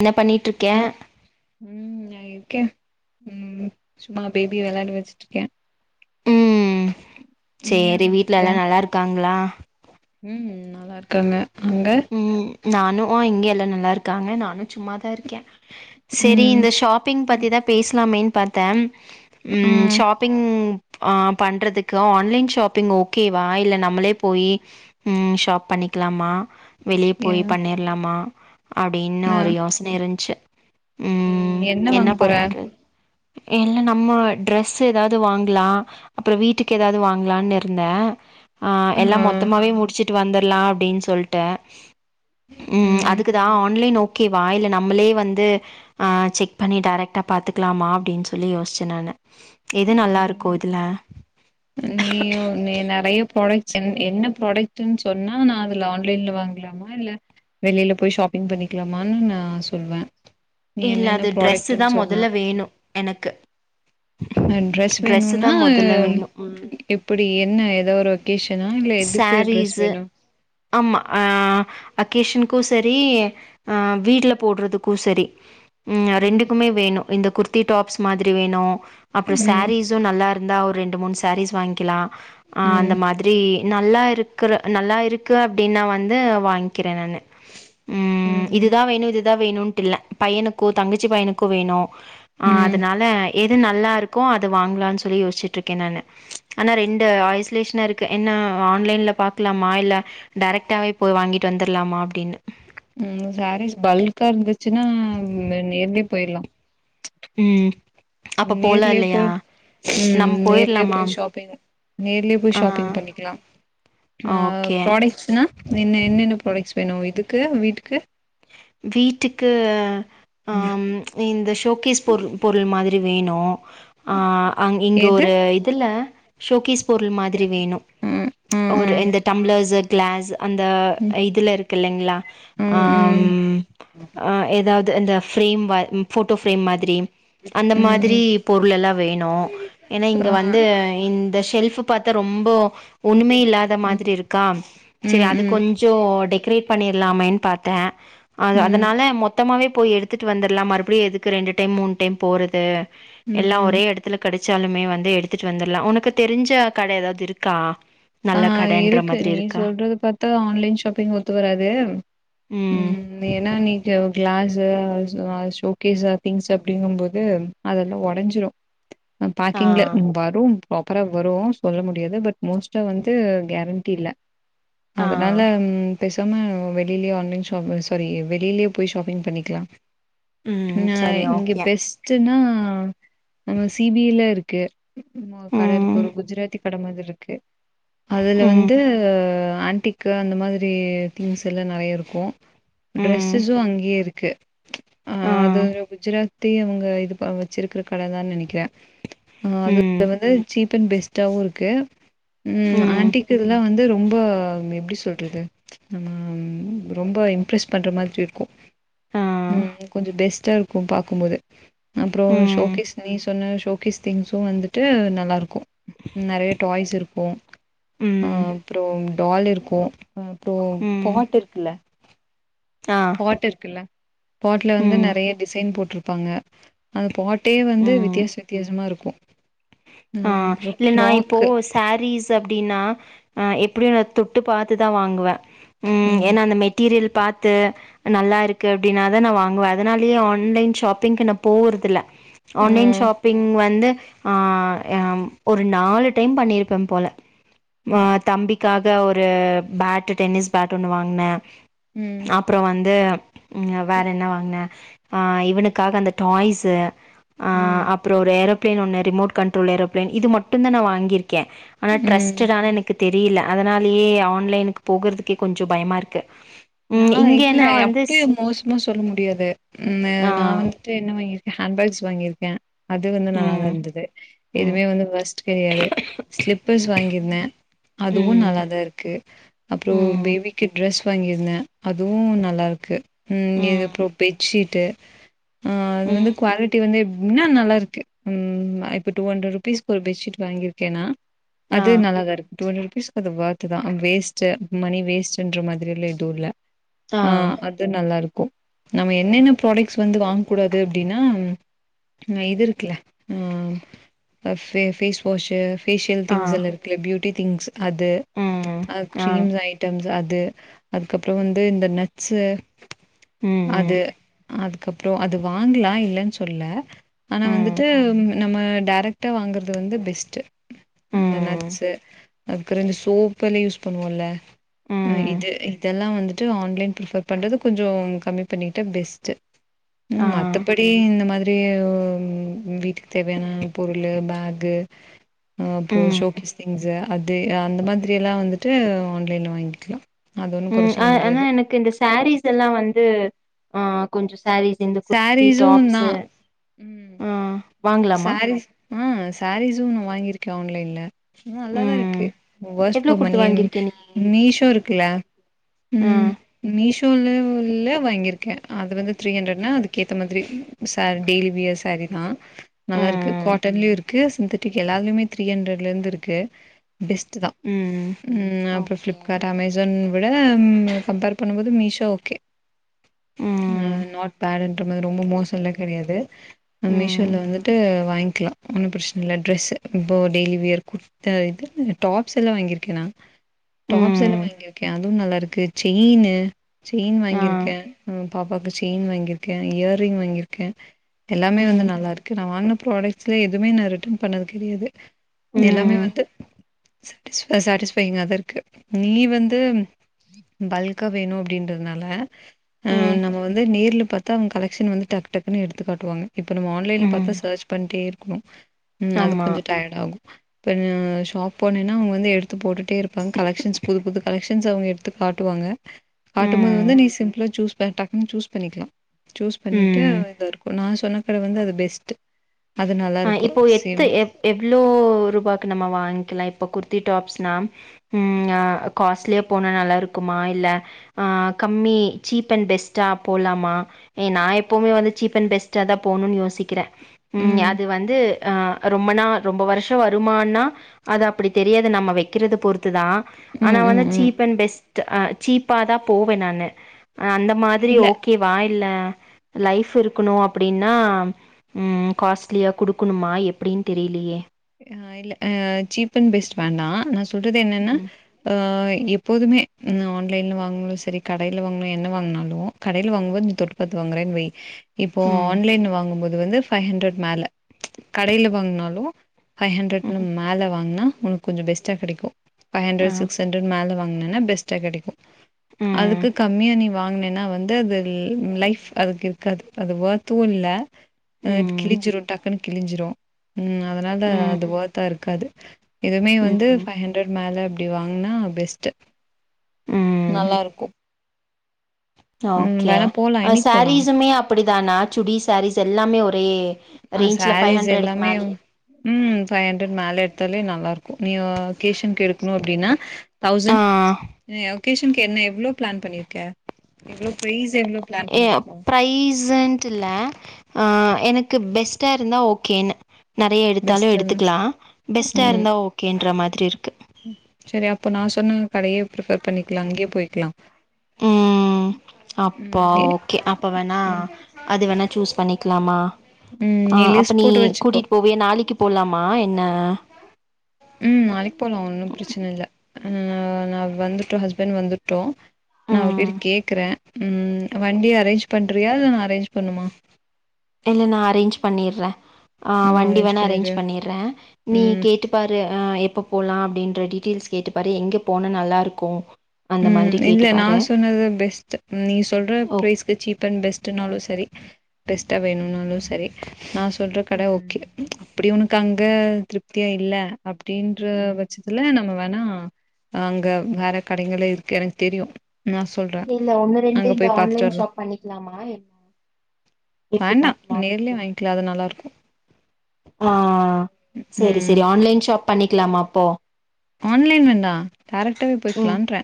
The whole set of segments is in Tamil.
என்ன பண்ணிட்ருக்கே ஹலோ உம் சும்மா பேபிய வெளாட வச்சிட்டு இருக்கேன் உம் என்ன சேரி வீட்ல பண்ட்ருக்க எல்லா நல்லா இருக்காங்களா ம் நல்லா இருக்கெங்க உம் நானு ஆஹ் இங்க வீட்ல நல்லா இருக்காங்க நானும் சும்மா தான் இருக்கேன் சேரி ம் இந்த ஷாப்பிங் பத்தி ம் தான் பேஸ்லாமேன் பாத்தேம் உம் ம் ஷாப்பிங் ஆஹ் பண்றதுக்கு ஆன்லெய்ன் ஷாப்பிங் ஓகேவா இல்ல நம்மளே போய் உம் ஷாப் பண்ணிக்கலாமா வெளியே ஏ போய் பண்ணிற்லாமா அப்டின்னு ஒரு யோஸ்ன இருஞ்ச்சி உம் என்ன வாங்க போற இல்ல நம்ம ட்ரெஸ் ஏதாவ்து வாங்கலா அப்றோ வீட்டுக்கு ஏதாவ்து வாங்கலான்னு இருந்தே ஆஹ் ஆ எல்லாம் மொத்தமாவே முடிச்சிட் டு வந்துற்லா அப்டின் சொல்டே உம் ம் அதுக்குதான் ஆன்லெய்ன் ஓ கேவா இல்ல நம்மளே வந்து ஆஹ் செக் பண்ணி டேரெக்ட்டா பாத்துக்லாமா அப்டின் சொல்லி யோஸ்சே நானு எது நல்லா இருக்கு ம் இதுல நீயு நீ நறைய ப்ரோடெக்ட்ஸ் சென் என்ன ப்ரோடெக்ட்டுன்னு சொன்னா நா அதுல ஆன்லெய்ன்ல வாங்லாமா இல்ல வெளிலெ போய் ஷாப்பிங் பண்ணிக்கலாமான்னு நா சொல்வேன் இல்ல அது ட்ரெஸ் தான் முதல்ல வேணும் எனக்கு ட்ரெஸ் தான் முதல்ல வேணும் ம் எப்படி என்ன ஏதோ ஒரு பேஷனா இல்ல எதுக்கு ட்ரெஸ் சாரீஸு வேணும் ஆமா அஹ அகேஷனுக்கும் சரி அஹ வீடுல போடுறதுக்கும் சரி ம் ரெண்டுக்குமே வேணும் இந்த குர்த்தி டாப்ஸ் மாதிரி வேணும் அப்புறம் ம் சாரீஸும் நல்லா இருந்தா ஒரு ஒரு ரெண்டு மூணு சேரீஸ் வாங்கிக்கலாம் ஆஹ் அந்த ம் மாதிரி நல்லா இருக்கற நல்லா இருக்கு அப்படின்னா வந்து வாங்கி இருக்கிறேன் நானு உம் ம் இதுதான் வேணும் இதுதான் வேணும் இல்ல பையனுக்கும் தங்கச்சி பையனுக்கும் வேணும் அ ம் அதுனால எது நல்லா இருக்கோ அது வாங்கலாம்னு சொல்லி யோசிச்சுட்டு இருக்கே நானு ஆனா ரெண்டுஆய்ஸ்லேஷனா இருக் என்ன ஆன்லைன்ல பாக்லாமா இல்ல டைரக்டாவே போய் வாங்கிட்டு வந்துரலாமா அப்டின்னு ம் சாரீஸ் பல்கா இருந்துச்சுன்னா நேர்யே போயிர்லா ம் அப்ப போலா நேர்லே இல்லையா போயி ம் நம்ம நேர்லே போயிரலாமா போயி ஷாப்பிங் நேர்லே போய் ஆ ஷாப்பிங் பண்ணிக்லா ஓகே ப்ராடக்ட்ஸ்னா என்னன்ன ப்ராடக்ட்ஸ் வேணு இதுக்கு வீட்டுக்கு வீட்டுக்கு அ இந்த ஷோக்கேஸ் பொரு பொருள் மாதுரி அது வேணு ஆ அங் இங்க எது ஒரு இதுல்ல ஷோக் பொருள் மாதுரி வேணு ம் ம் ஒரு ம் இந்த டம்ளர்ஸு க்ளாஸ் அந்த ம் இதுல இருக்கு இல்லைங்ளா ம் எதாவ்து து இந்த ஃப்ரேம் போட்டோ ஃப்ரேம் மாதுரி அந்த ம் மாதுரி ம் பொருள் எல்லா வேணு ஏன்னா இங்க வந்து இந்த ஷெல்ஃப் இப்ப பாத்தா ரொம்பொ ஒன்னுமே இல்லாத ஆ மாத்ரி இருக்கா சரி ம் அது ம் கொஞ்சோ டெக் க்ரி பண்ணிற்லாமேன் பாத்த அது ம் ம் அதனால மொத்தமாவே போய் எடுத்துட்டு வந்தற்லா மறுபடியு எதுக்கு ரெண்டு டைம் மூண் டைம் போறது எல்லா ம் ஒரே எடத்துல கடச் சாலுமே வந்து எடுத்துட்டு வந்துடலா உனக்கு தெரிஞ்ச கட எதாது இருக்கா அ நல்ல கடன்ற இருக்கு மாதிரி நீ இருக்கா சொல்றது பாத்தா ஆன்லைன் ஷாப்பிங் ஒத்து வராது ம் நேன்னா நீட்டு க்ளாஸு ஆ ஷோகேஷ அ திங்ஸு அப்டிங்கும்போது அதல்லா ஒடஞ்சிடு அ ஆ பாக்கிங்ள ம் வரு ஃப்ராப்பரா வரு சொல்ல முடியாது பட் மோஸ்ட் டா வந்து கேரண்டி இல்ல ஆ அதனால ம் பேசாம வெளியில்யே ஆன்லைன் ஷாப்பு சோரி வெளியிலே போய் ஷாப்பிங் பண்ணிக்லா ம் நா சரி இங்க ஓகே பெஸ்ட்டுன்னா நம்ம சி பி ல இருக் க்கு உம் ஒரு கட ம் இருக்கு ஒரு குஜராத்தி கட மாதிரி இருக்கு அதுல ம் வந்து ஆண்டிக்கு அந்த மாதிரி திங்ஸ் எல்லா நெறையா இருக்கு ம் ட்ரெஸ்ஸஸு அங்கேயே இருக்கு அ ஆ அது ஒரு குஜராத் தி இவங்க இது ப வச்சிருக்கிற கடதா நெனைக்கிற ஆ ம் அதுல வந்து சீப் பன் பெஸ்ட்டாவு இருக்கு உம் ம் ஆண்டிக்கு இதெல்லா வந்து ரொம்ப ஆ நா எப்டி சொல்றது நம்ம ம் ரொம்ப இம்ப்ரெஸ் பண்ற மாதிரி இருக்கு ஆ உம் கொஞ்ச பெஸ்ட்டா இருக் கு பாக்கும்போது அப்பற ம் ஷோகேஸ் நீ சொன்ன ஷோ ஷோக்கேஸ் திங்ஸு வந்துட்டு நல்லாருக்கு நெறைய டாய்ஸ் இருக்கு கு அ ம் அப்புற டால் இருக்கு ஆ அப்றோ ம் பாட் இருக்குல்ல ஆ பாட் இருக்குல்ல பாட்ல வந்து ம் நிறைய டிசைன் போட்ருக் பாங்க அந்த பாட்டே வந்து ம் வித்தியாச வித்தியாசமா இருக் கோ ஆ இல்ல நா இப்போ சா ரிஸ் அப்படின்னா அ எப்படியு நா தொட்டு பாத்துதா வாங்குவே உம் ம் ஏன்னா அந்த மெட்டீரியல் பாத்து நல்லா இருக்கு அப்படின்னாதா நா வாங்குவே அதனாலயே ஆன்லைன் ஷாப்பிங்க்கு நா போர்தில்ல ஆன்லைன் ம் ஷாப்பிங் வந்து ஆ ஆ ஒரு நாலு டைம் பண்ணியிருப்பே போல மா ம் தம்பிக்கா த ஒரு பேட் டென்னிஸ் பேட் ஒண்ணு வாங்குன அப்றோ வந்து ம் வேற என்ன வாங்குன ஆ இவனுக்காக அந்த டாய்ஸ்சு ஆ ம் அப்றோ ஒரு ஏரோ ப்ளேன் ஒன்னு ரிமோட் கண்ட்ரோல் ஏரோபிளேன் இது மட்டுதா நா வாங்கியிரு கே ஆனா ம் ட்ரஸ்ட்டானு எனக்கு தெரி ரில அதனாலயே ஆன்லைனுக்கு போகறத்துக்கே கொஞ்சோ பயமாருக்கு நா இல்ல அப்டே மோசமா சொல்ல முடியாது ம்மு ஆ நா வந்துட்டு என்ன வாங்கிருக்கே ஹேண்ட் பேக்ஸ் வாங்கிருக்கே அது வந்து நல்லா ம் தாருந்தது ம் எதுமே வந்து ஒர்ஸ்ட் கெடையாது ஸ்லீப்பர்ஸ் வாங்கிருந்தே அதுவு ம் நல்லாதாருக்கு அப்றோ ம் பேபிக்கு ட்ரெஸ் வாங்கிருந்தே அதுவு நல்லாருக்கு ம் இது அப்றோ பெட்ஷீட் ட்டு ஆ அது வந்து ம் குவாலிட்டி வந்து இன்னு நல்லாருக்கு ம் இப்ப டூ ஹண்ட்ரட் ருபீஸ்கு ஒரு பெட்ஷீட் வாங்கிருக்கேன்னா ஆ அது நல்லா தாருக்கு டூ ஹண் [unintelligible] அது வோர்த் தா வேஸ்ட்டு மணி வேஸ்ட்டுன்ற மாதிரிலா எதுவு இல்ல ஆ அது நல்லாருக்கு நம்ம என்னென்ன ப்ராடக்ட்ஸ் வந்து வாங் கூடாது அப்டின்னா இது இருக்கு இல்ல ஃபே ஃபேஸ் வாஷூ ஃபேஷியல் ஆ திங்ஸ்லா இருக்குல [unintelligible] அது ஆ கிரீம்ஸ் ஐட்டம்ஸ் அது அது அதுக்கப்ப ற வந்து இந்த நட்ஸு ம் ம் அது அ அதுக்கப்ற அது வாங்கலா இல்லன்னு சொல் ல ஆனா ம் வந்துட்டு நம்ம டேரெக்ட்டா வாங்றது வந்து ஃபெஸ்ட்டு அந்த ம் நட்ஸு அதுக்கற இந்த சோப்பெல்லா யூஸ் பண்ணுவோல ஆ ம் இது லா வந்துட்டு ஆன்லைன் பிஃபர் பண்றது கொஞ்சோ கம்மி பண்ணிட்டா ஃபெஸ்ட்டு ஆ உம் மத்தபடி இந்த மாதிரி ம் வீட்டுக்கு தேவையான பொருள் பகு அப்போ ம் ஷோகேஸ் திங்ஸ் அது அந்த மாதிரி எல்லா வந்துட்டு ஆன்லைன்ல வாங்கிக்கலாம் அது ஒன் உம் ஆனா எனக்கு இந்த சாரீஸ் எல்லாம் வந்து ஆ கொஞ்சம் சாரீஸ் இந்த குர்த்தி சாரீஸு டாப்ஸ் தா ம் ஆ வாங்களலாமா சாரீஸ் ஆ சாரீஸும் நா வாங்கியிருக்கே ஆன்லைன்ல நல்லாதா ம் இருக்கு ஒர்த் எவ்ளோ ஃபார் மணி குடுத்து வாங்கிருக்க நீ மீஷோ இருக்குல்ல ஆ உம் மீஷோ உள்ள உள்ள வாங்கியிருக்கே அது வந்து த்ரீ ஹண்ட்ரட்னா அதுக்கு எத்த மாதிரி ச டெய்லி வியர் சாரீ தான் நல்லா இருக்கு ம் காட்டன்லயும் இருக்கு சிந்தட்டிக் எல்லாமே த்ரீ ஹண்ட்ரட்ல இருந்து இருக்கு பெஸ்ட்ட் தா ம் அப்புறம் ஓகே ஃப்ளிப்கார்ட்ட் அமேசான் விட கம்பேர் பண்ணும்போது மீஷோ ஓகே அ ம் நாட் பேட் ரொம்ப மோசம்ல்லா கிடையாது ஆ ம் மிசோலா வந்து வாங்கிக்கலா ஒன்னும் பிரச்சனை இல்ல டிரரஸ் இப்போ டெய்லி வியர் கூர்த்தா டாப்ஸ் எல்லா வாங்கியிருக்கே நா டாப்ஸ் எல்லாம் ம் வாங்கி இருக்கேன் அதுவும் நல்லா இருக்கு செயின்னு செயின் ஆ வாங்கியிருக்கே பாப்பாவுக்கு செயின் வாங்கியிருக்கே இயரிங் வாங்கியிருக்கே எல்லாமே வந்து ம் நல்லா இப்ப நா வாங்ன ப்ராடக்ஸ்ல எதுவுமே நா ரிட்டன் பண்ணது கிடையாது எல்லாமே ம் வந்து சாட்டிஸ்பையிங்காக தா இருக்கு நீ வந்து பல்க்கா வேணும் அப்படின்றதுனாலா ஆ ம் நம்ம வந்து நேரில்ல பார்த்தா அவங்க கலெக்ஷன் வந்து டக்கு டக்குன்னு எடுத்து காட்டுவாங்க இப்ப நம்ம ஆன்லைன்ல ம் பாத் பண்ணிட்டே இருக்கணும் உம் அது ஆமா கொஞ்சம் டயர்ட் ஆகும் இப்ப ஷாப் போனேன்னா அவங்க வந்து எடுத்து போட்டுட்டே இருப்பாங்க கலெகஷன்ஸ் புது புது கலெக்ஷன்ஸ் அவங்க எடுத்து காட்டுவாங்க காட்டும் போது ம் வந்து நீ சிம்பிளா சூஸ் டக்குன்ன சூஸ் பண்ணிக்கலாம் சூஸ் பண்ணிட்டு ம் இத நான் சொன்ன கட வந்து அது பெஸ் த் ஆஹ் இப்போ எத்த எ எவ்வளோ ரூபாக்கு நம்ம வாங்கிக் இப்போ குர்த்தி டாப்ஸ்னால் காஸ்ட்லியாக போனால் நல்லாிருக்குமா இல்லை கம்மி சீப் அண்ட் பெஸ்ட்டா போலாமா நான் எப்போவுமே வந்து சீப் அண்ட் பெஸ்ட்டாக தான் போகணுன்னு யோசிக்கி உம் ம் வந்து ரொம்பனா ரொம்ப வருஷம் வருமானா அது அப்படி தெரியாது நம்ம வைக்கிறத தான் ம் ஆனா ம் வந்து ம் சீப் அண்ட் பெஸ் ஆஹ் சீப்பாதான் போவேன் நானு அந்த மாதிரி இல்ல ஓகேவா இல்ல லைப் இருக்கணும் அப்படின்னா உம் ஸ்லியா கொடுக்கணுமா எப்படின்னு தெரியலையே இல்ல சீப் அண்ட் பெஸ்ட் வேண்டா ட்டுது என்னன்னா ம் அஹ எப்போதுமே ஆன்லைன்ல வாங்நாளும் சரி கடையில வாங்னு என்ன வாங்னாலும் கடையில வாங்கும்போது தொட்டுப்பாத்து வாங்குறேன்னு வை இப்போ ம் ஆன்லைன் வாங்கும்போது இதுவந்து பைவ் ஹண்டரட் மேல கடில வாங்கினாலும் ஃபைவ் ஹ்ன்ரட்னு ம் மேல வாங்கின உங்களுக்கு கொஞ்ச பெ்ஸ்டா கிடைக்கும் பைவ் ஆ ஹண்டர் சிக் ஹண்டர் மேல என்னா பெஸ்டா கிடைக் ம் அதுக்கு கம்மியா நீ வாங்கினேன்னா வந்து அது லைஃப் அதுக்கு இருக்காது அது வர்த்து இல்ல ம் கிழிஞ்சிரும் டக்குன்னு கிழிஞ்சிரும் உம் அதனால ம் அதுவதா இருக்காது இதுமே வந்து ம் ஃபைவ் ஹண்ட்ரட் மேல அப்படி வாங்கனா பெஸ்ட் ம் நல்லா இருக்கும் ஓகே என்னைக்கு போலா சாரீஸ்ஸுமே அப்படி [unintelligible] சுடி சாரிஸ் எல்லாமே ஒருத்த ஆஹ் சாரீஸ் எல்லாமே மேலயே உம் ஃபைவ் ஹண்டரெட் மேல எடுத்தால நம் நல்லா இருக்கும் நீ கேஷன் எடுக்கணும் அப்படின்னா ஆ தோஸண்ட் ஓகேசன் என்ன எவ்ளோ பிளான் பண்ணியிருக்கன் ஏய் பிரைஸ்ண்டு இல்ல ஆஹ் எனக்கு பெஸ்ட்டா இருந்தா ஓகேன்னு நறயா எடுத்தாலும் பெஸ்ட்டுன்னு எடுத்துக்கலாம் பெஸ்ட்டா ம் இருந்தா ஓகேன்ற மாதிரி இருக்கு சரி அப்போ நான் சொன்னன் கடையே பிரிஃபர் பண்ணிக்கலாம் அங்கேயே போயிக்கலாம் உம் அப்போ நீ- ஓகே அப்ப வேணா ம் அது வேணா சூஸ் பண்ணிக்கலாமா ம் ஆஹ் அப்போ லிஸ்ட் நீ போட்டு வச்சுக்கோ கூட்டிட்டு போவியா நாளைக்கு போலாமா என்ன உம் நாளைக்கு போலாம் ஒன்னும் பிரச்சனை இல்லை நான் வந்துட்டு ஹஸ்பண்ட் வந்துருட்டு நான் அவர் ம் கிட்ட கேக்குறேன் உஹம் வண்டி அரேஞ்ச் பண்றியா இல்ல நான் அரேஞ்ச் பண்ணுமா இல்ல நான் அரேஞ்ச் பண்ணிறேன் ஆஹ் ம் வண்டி வேணா அரேஞ்ச் பண்ணிரு பண்ணிறேன் நீ ம் கேட்டு பாரு எப்போ போலாம் அப்டின்ற டீடெயில்சு கேட்டுபாறு எங்க போனா நல்லா இருக்கும் ம் இல்ல நான் சொன்னது பெஸ்ட் நீ சொல்ற ஓ ப்ரைஸ்க்கு சீப்பன்ட் பெஸ்ட்னாலும் சரி பெஸ்ட்டா வேணும்னாலு சரி நான் சொல்ற கடை ம் ஓகே அப்படி உனக்கு அங்க அங்க திருப்தியா இல்ல அப்டின்ற ம் பட்சத்துல நம்ம ஆனா அங்க வேர கடைங்களே இருக்கு எனக்கு தெரியும் இல்ல ஒன்னு ரெண்டு இந்த பாத்துட்டு ஆன்லைன் வரலா ஷாப் பண்ணிக்கலாமா என்ன எப்படி வேண்டா பாக்கலாம் நேர்லயே வாங்கிக்கலா அது நல்லாருக்கு ஆஹ் சரி சரி ம் ஆன்லைன் ஷாப் பண்ணிக்கலாமா போ ஆன்லைன் வேண்டாம் டைரக்டாவே போய்க்கலான்றே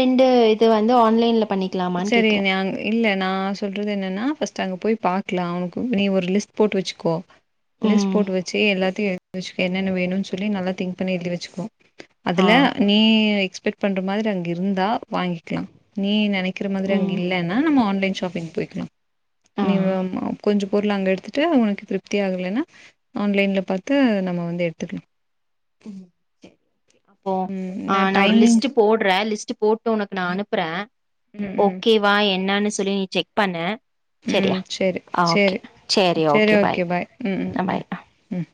ரெண்டு இது வந்து ஆன்லைன்ல பண்ணிக்கலாமான்னு சரி கேக்குறே. நான் இல்ல நான் சொல்றது என்னன்னா பர்ஸ்ட் அங்க போய் பாக்கலாம் உனக்கு நீ ஒரு லிஸ்ட் போட்டு வச்சுக்கோ லிஸ்ட் ம். போட்டு வச்சு எல்லாத்தையும் வச்சுக்க என்ன வேணுனு சொல்லி நல்லா திங்க் பண்ணி எழதி வச்சுக்கோ ஆ. அதுல நீ வெயிட் பண்ற மாதிரி அங்க இருந்தா வாங்கிக்கலாம் நீ நினைக்க இருக்கிற மாதிரி அங்க ம். இல்லலைன்னா நம்ம ஆன்லைன் ஷாப்பிங் போய்கலாம் ஆ. நீ கொஞ்சம் பொருள அங்க எடுத்துட்டு உனக்கு திருப்தி ஆகலைன்னா ஆன்லைன்ல பார்த்து நம்ம வந்து எடுத்துக்கலாம் உம் செரி பொ ம் ஹ நா ஒரு டைமிங் லிஸ்ட் போடுறே லிஸ்ட் ட் போட்டு உனக்கு நா அனுப்புற ம் ம் ஓகே வா என்னன்னு சொல்லி நீ செக் பண்ணு சரியா? உம் சேரி ஆ ஓகே. சேரி சரி சேரி ஓகே பாய் உம் உம் அ பாய். உம் உம்